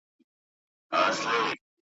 محتسب به رنځ وهلی په حجره کي پروت بیمار وي ,